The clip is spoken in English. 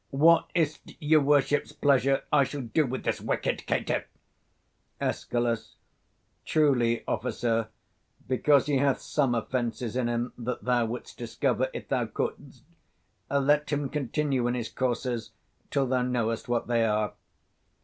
What is't your worship's pleasure I shall do with this wicked caitiff? 175 Escal. Truly, officer, because he hath some offences in him that thou wouldst discover if thou couldst, let him continue in his courses till thou knowest what they are.